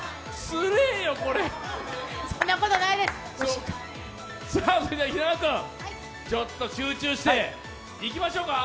それでは平野君集中していきましょうか。